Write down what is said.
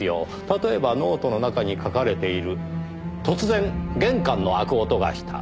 例えばノートの中に書かれている「突然玄関の開く音がした。